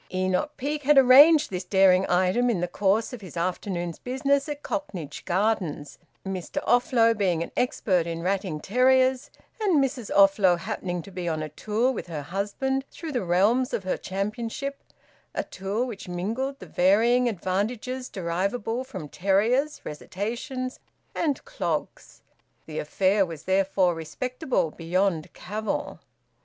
Enoch Peake had arranged this daring item in the course of his afternoon's business at Cocknage Gardens, Mr Offlow being an expert in ratting terriers, and Mrs Offlow happening to be on a tour with her husband through the realms of her championship, a tour which mingled the varying advantages derivable from terriers, recitations, and clogs. The affair was therefore respectable beyond cavil.